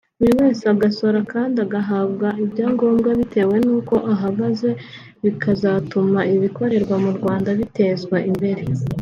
buri wese agasora kandi agahabwa ibyangombwa bitewe n’uko ahagaze bikazatuma ibikorerwa mu Rwanda bitezwa imbere